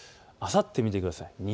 あさってを見てください。